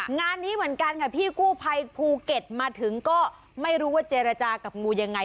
งานนี้เหมือนกันค่ะพี่กู้ภัยภูเก็ตมาถึงก็ไม่รู้ว่าเจรจากับงูยังไง